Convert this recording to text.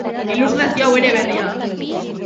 Ilustrazio hau ere berria!